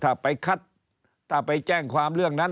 ถ้าไปคัดถ้าไปแจ้งความเรื่องนั้น